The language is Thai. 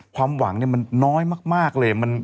ความหวังมันน้อยมากเลย